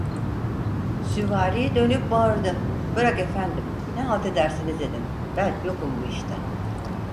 Süvari dönüp bağırdı: "Bırak efendim, ne halt ederseniz edin, ben yokum bu işte!"